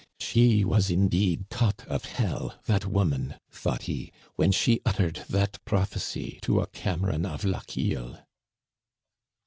" She was indeed taught of hell, that woman," thought he, " when she uttered that prophecy to a Cameron of Lochiel."